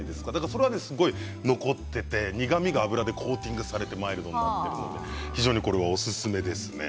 それはねすごい残ってて苦みが油でコーティングされてマイルドになってるので非常にこれはオススメですね。